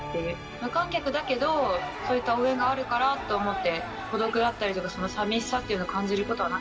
無観客だけど、そういった応援があるからと思って、孤独だったり、さみしさっていうのを感じ